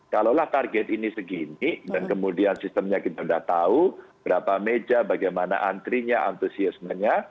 kalaulah target ini segini dan kemudian sistemnya kita sudah tahu berapa meja bagaimana antrinya antusiasmenya